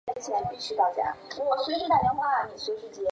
罗马统治时期塞浦路斯经济十分繁荣。